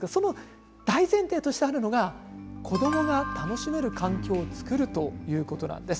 大前提としてあるのが子どもが楽しめる環境を作るということです。